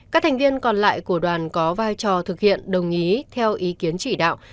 các thành viên còn lại của đoàn có vai trò thực hiện đồng ý theo ý kiến chỉ đạo